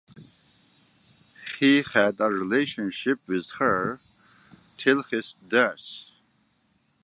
He had a relationship with her till his death.